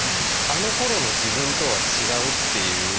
あのころの自分とは違うっていう。